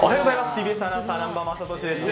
ＴＢＳアナウンサー・南波雅俊です。